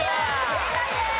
正解です。